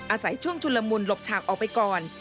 อาศัยช่วงชุนละมุนหลบฉากออกไปก่อน